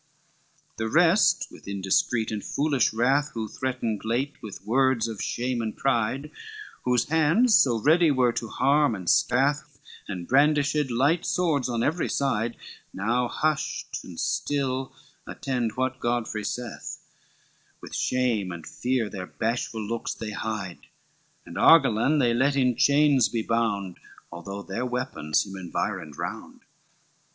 LXXXII The rest with indiscreet and foolish wrath Who threatened late with words of shame and pride, Whose hands so ready were to harm and scath, And brandished bright swords on every side; Now hushed and still attend what Godfrey saith, With shame and fear their bashful looks they hide, And Argillan they let in chains be bound, Although their weapons him environed round.